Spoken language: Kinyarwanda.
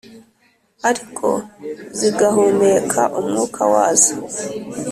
ariko zigahumeka umwuka wazo